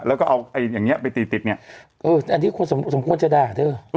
แล้วก็เอาอันอย่างเงี้ยไปติดติดเนี้ยเอออันที่ควรสมควรจะด่าเถอะ